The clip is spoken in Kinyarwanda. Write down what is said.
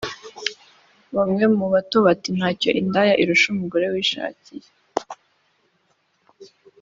Bamwe muri bo bati “Ntacyo indaya irusha umugore wishakiye